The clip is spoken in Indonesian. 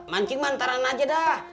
mancing mantaran aja dah